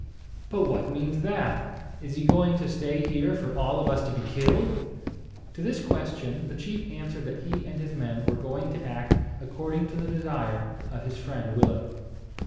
"But what means that? Is he going to stay here for all of us to be killed?" To this question the chief answered that he and his men were going to act according to the desire of his friend Willem.